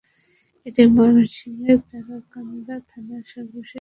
এটি ময়মনসিংহের তারাকান্দা থানার সর্বশেষ ইউনিয়ন।